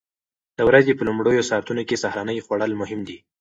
د ورځې په لومړیو ساعتونو کې سهارنۍ خوړل مهم دي.